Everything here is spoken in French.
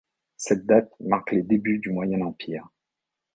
Cette date marque les débuts du Moyen Empire.